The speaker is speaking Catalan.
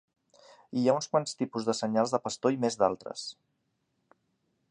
Hi ha uns quants tipus de senyals de pastor i més d'altres.